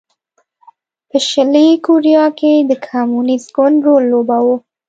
په شلي کوریا کې د کمونېست ګوند رول لوباوه.